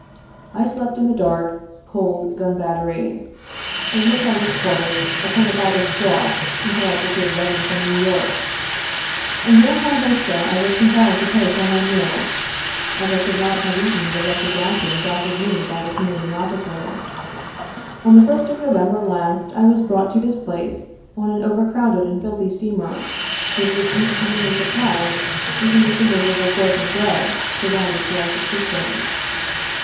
I slept in the dark, cold gun battery, in which I was quartered, upon a bag of straw until I procured bedding from New York ; and during my whole stay I was compelled to pay for my meals, as I could not have eaten the wretched rations offered me by the commanding officer. On the 1st of November last I was brought to this place on an over crowded and filthy steamer, which was insufficiently supplied even with the miserable pork and bread pro vided for our subsistence.